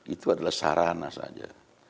itu adalah sarana saja